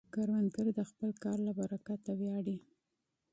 کروندګر د خپل کار له برکته ویاړي